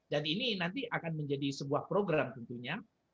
dan ini nanti akan menjadi sebuah program tentunya